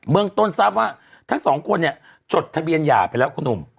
เมืองต้นทราบว่าทั้งสองคนเนี่ยจดทะเบียนหย่าไปแล้วคุณหนุ่ม